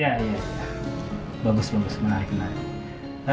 ya bagus bagus menarik menarik